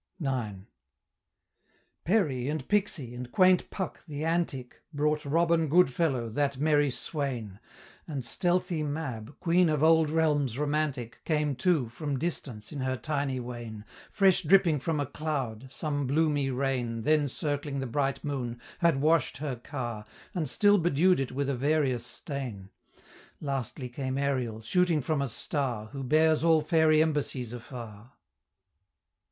IX. Peri and Pixy, and quaint Puck the Antic, Brought Robin Goodfellow, that merry swain; And stealthy Mab, queen of old realms romantic, Came too, from distance, in her tiny wain, Fresh dripping from a cloud some bloomy rain, Then circling the bright Moon, had wash'd her car, And still bedew'd it with a various stain: Lastly came Ariel, shooting from a star, Who bears all fairy embassies afar. X.